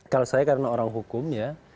kalau saya karena orang hukum ya